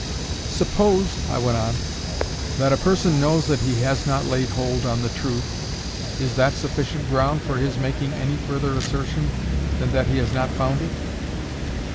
"Suppose," I went on, "that a person knows that he has not laid hold on the truth, is that sufficient ground for his making any further assertion than that he has not found it?"